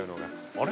あれ？